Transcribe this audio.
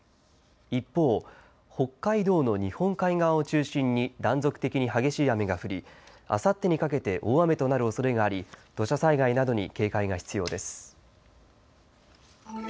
一方、北海道の日本海側を中心に断続的に激しい雨が降りあさってにかけて大雨となるおそれがあり土砂災害などに警戒が必要です。